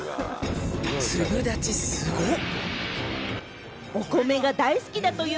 粒立ち、すごっ！